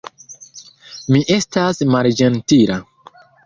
Mi estas malĝentila.